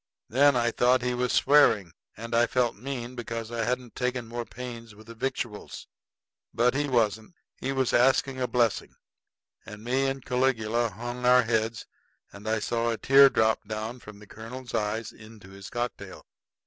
Then I thought he was swearing; and I felt mean because I hadn't taken more pains with the victuals. But he wasn't; he was asking a blessing; and me and Caligula hung our heads, and I saw a tear drop from the colonel's eye into his cocktail.